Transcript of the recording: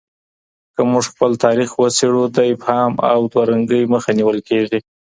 که موږ خپل تاريخ وڅېړو، د ابهام او دوه رنګۍ مخه نيول کېږي.